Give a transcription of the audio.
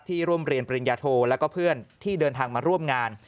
ร่วมเรียนปริญญาโทแล้วก็เพื่อนที่เดินทางมาร่วมงาน